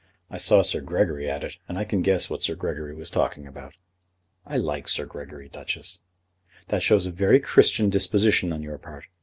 "I saw Sir Gregory at it, and I can guess what Sir Gregory was talking about." "I like Sir Gregory, Duchess." "That shows a very Christian disposition on your part.